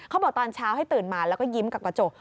เขาบอกตอนเช้าให้ตื่นมาแล้วก็ยิ้มกับกระจก